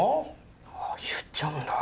ああ言っちゃうんだ。